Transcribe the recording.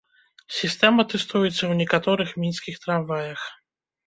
Сістэма тэстуецца ў некаторых мінскіх трамваях.